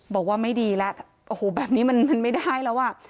บอกว่าไม่ดีแล้วโอ้โหแบบนี้มันไม่ได้แล้วอ่ะ